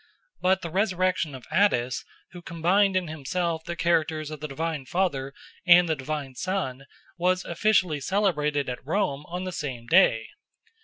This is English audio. But the resurrection of Attis, who combined in himself the characters of the divine Father and the divine Son, was officially celebrated at Rome on the same day.